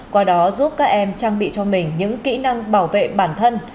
qua đó giúp các em trang bị cho mình những kỹ năng bảo vệ bản thân